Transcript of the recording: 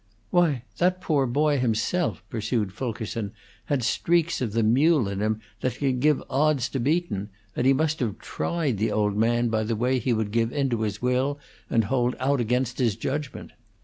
"Why, that poor boy himself," pursued Fulkerson, "had streaks of the mule in him that could give odds to Beaton, and he must have tried the old man by the way he would give in to his will and hold out against his judgment.